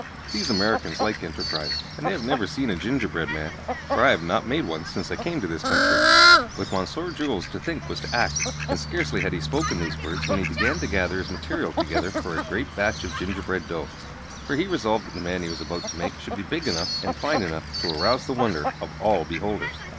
These Americans like enterprise, and they have never seen a gingerbread man, for I have not made one since I came to this country." With Monsieur Jules, to think was to act, and scarcely had he spoken these words when he began to gather his material together for a great batch of gingerbread dough. For he resolved that the man he was about to make should be big enough and fine enough to arouse the wonder of all beholders.